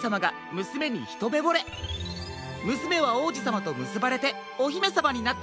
むすめはおうじさまとむすばれておひめさまになったそうです。